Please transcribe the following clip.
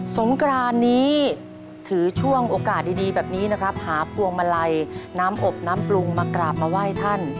งกรานนี้ถือช่วงโอกาสดีแบบนี้นะครับหาพวงมาลัยน้ำอบน้ำปรุงมากราบมาไหว้ท่าน